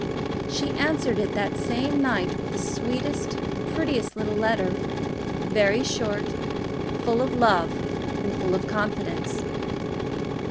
She answered it that same night with the sweetest, prettiest little letter, very short, full of love and full of confidence.